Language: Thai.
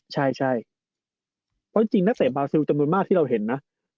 ใช่เพราะจริงนักเตะบาซิลจำนวนมากที่เราเห็นนะ